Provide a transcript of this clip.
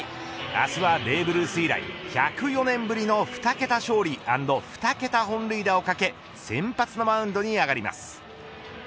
明日はベーブルース以来１０４年ぶりの２桁勝利アンド２桁本塁打を懸け先発のマウンドに上がります。